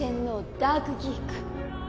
ダークギーク。